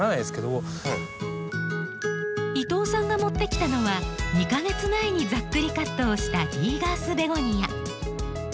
伊藤さんが持ってきたのは２か月前にざっくりカットをしたリーガースベゴニア。